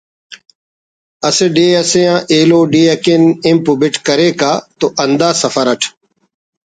اسہ ڈیہہ اسے آن ایلو ڈیہہ اکن امپ و بِٹ کریکہ تو ہندا سفر اٹ